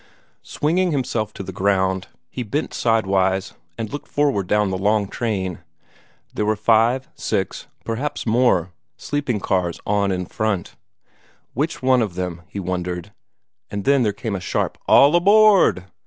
Swinging himself to the ground, he bent sidewise and looked forward down the long train. There were five, six, perhaps more, sleeping cars on in front. Which one of them, he wondered and then there came the sharp "All aboard!"